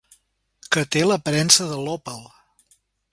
Que té l'aparença de l'òpal.